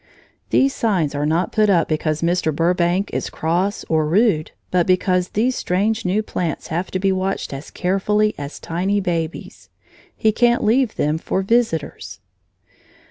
These signs are not put up because Mr. Burbank is cross or rude, but because these strange new plants have to be watched as carefully as tiny babies. He can't leave them for visitors.